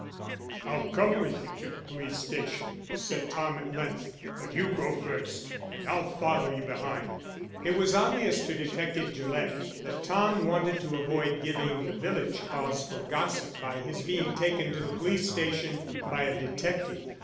"I'll come with you to the police station," said Tom at length. "But you go first and I'll follow you behind." It was obvious to Detective Gillett that Tom wanted to avoid giving the village cause for gossip by his being taken to the police station by a detective.